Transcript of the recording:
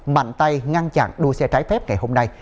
mạnh tay ngăn chặn đua xe trái phép ngày hôm nay